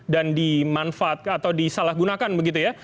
dan dimanfaat atau disalahgunakan begitu ya